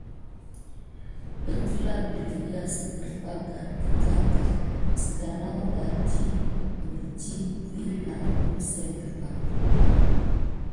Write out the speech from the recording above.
Ezla kulià siderbakane kekalan siga nakura dik piritite vis nawuzamban.